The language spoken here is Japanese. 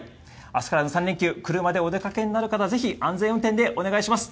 あすからの３連休、車でお出かけになる方、ぜひ安全運転でお願いします。